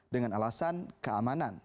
dengan alasan keamanan